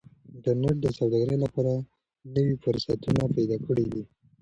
انټرنيټ د سوداګرۍ لپاره نوي فرصتونه پیدا کړي دي.